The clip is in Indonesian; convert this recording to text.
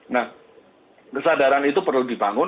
nah kesadaran itu perlu dibangun